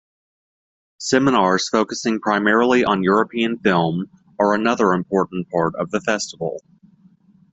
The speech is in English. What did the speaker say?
Seminars focusing primarily on European film are another important part of the festival.